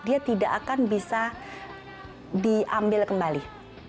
dia tidak akan bisa diambil kembali